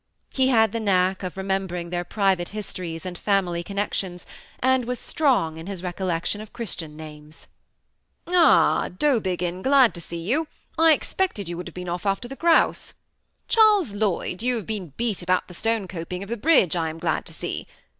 He had the knack of remembering their private histories and family connections, and was strong in his recollection of Christian names. " Ah, Dowbiggin, glad to see you ; I expected you would have been off after the grouse. Charles Lloyd, you have been beat about the stone coping of the bridge, I am glad to see.